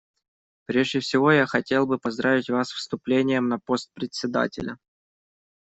Прежде всего я хотел бы поздравить Вас с вступлением на пост Председателя.